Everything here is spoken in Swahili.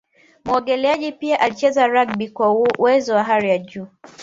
muogeleaji pia alicheza rugby kwa uwezo wa hali ya juu